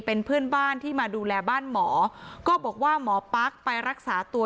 เป็นเพื่อนบ้านที่มาดูแลบ้านหมอก็บอกว่าหมอปั๊กไปรักษาตัว